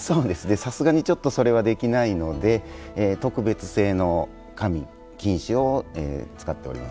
さすがに、それはできないので特別製の紙金紙を使っております。